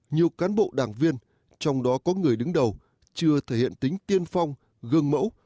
nhiều cán bộ đảng viên trong đó có người đứng đầu chưa thể hiện tính tiên phong gương mẫu